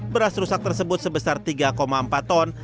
beras rusak tersebut sebesar tiga empat ton